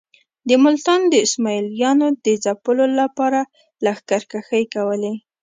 د ملتان د اسماعیلیانو د ځپلو لپاره لښکرکښۍ کولې.